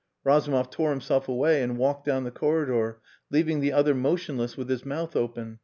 Razumov tore himself away and walked down the corridor, leaving the other motionless with his mouth open.